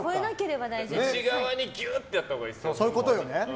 内側にギューってやったほうがいいです。